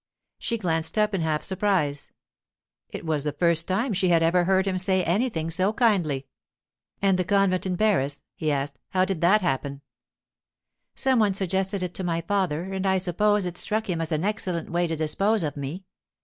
She glanced up in half surprise. It was the first time she had ever heard him say anything so kindly. 'And the convent in Paris?' he asked. 'How did that happen?' 'Some one suggested it to my father, and I suppose it struck him as an excellent way to dispose of me.